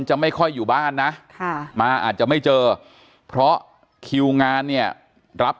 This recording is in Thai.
จะไม่ค่อยอยู่บ้านนะมาอาจจะไม่เจอเพราะคิวงานเนี่ยรับ